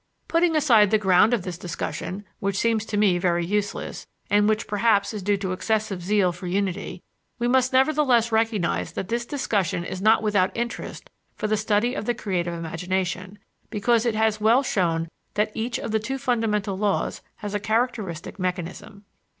Putting aside the ground of this discussion, which seems to me very useless, and which perhaps is due to excessive zeal for unity, we must nevertheless recognize that this discussion is not without interest for the study of the creative imagination, because it has well shown that each of the two fundamental laws has a characteristic mechanism.